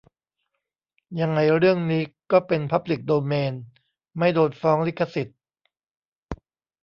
ยังไงเรื่องนี้ก็เป็นพับลิกโดเมน ไม่โดนฟ้องลิขสิทธิ์